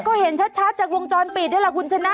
ก็เห็นชัดจากวงจรปิดนี่แหละคุณชนะ